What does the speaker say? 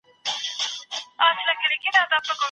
که مېرمني ته مهر ورنکړل سي څه کيږي؟